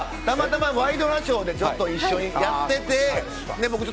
たまたま「ワイドナショー」でずっと一緒にやってて。